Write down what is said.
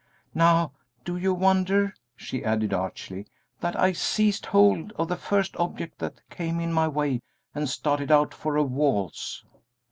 Now do you wonder," she added, archly, "that I seized hold of the first object that came in my way and started out for a waltz?"